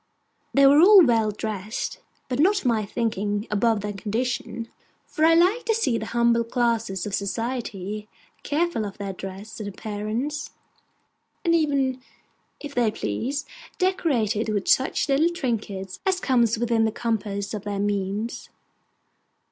They were all well dressed, but not to my thinking above their condition; for I like to see the humbler classes of society careful of their dress and appearance, and even, if they please, decorated with such little trinkets as come within the compass of their means.